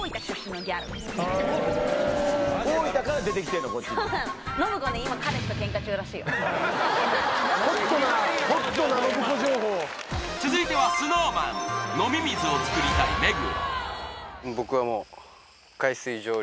へえこっちにそうなの続いてはＳｎｏｗＭａｎ飲み水を作りたい目黒